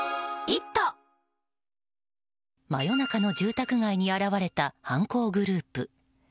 真夜中の住宅街に現れた犯行グループ。